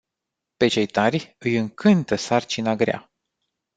Pe cei tari îi încântă sarcina grea.